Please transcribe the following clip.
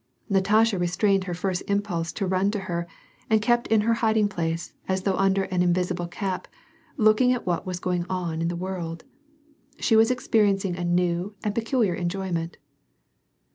Natasha restrained her first impulse to run to her and kept in her hiding place, as though under an invisible cap, look ing at what was going on in the world. She was experiencing a new aijd peculiar enjoyment.